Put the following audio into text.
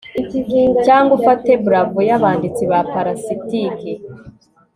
cyangwa ufate bravo yabanditsi ba parasitike